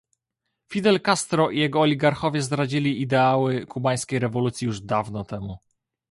Fidel Castro i jego oligarchowie zdradzili ideały kubańskiej rewolucji już dawno temu